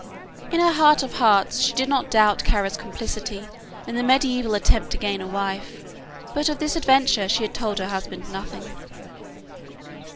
In her heart of hearts she did not doubt Kara's complicity in this medieval attempt to gain a wife, but of this adventure she had told her husband nothing.